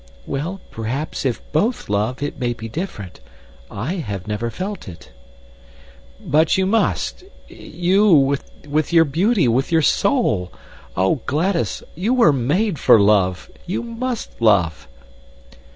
"Well, perhaps if both love, it may be different. I have never felt it." "But you must you, with your beauty, with your soul! Oh, Gladys, you were made for love! You must love!"